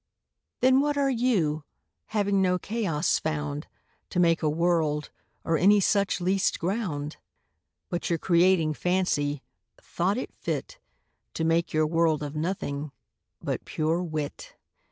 Then what are You, having no Chaos found To make a World, or any such least ground? But your Creating Fancy, thought it fit To make your World of Nothing, but pure Wit.